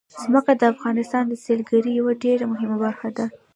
ځمکه د افغانستان د سیلګرۍ یوه ډېره مهمه برخه ده.